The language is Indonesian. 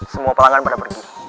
semua pelanggan pada pergi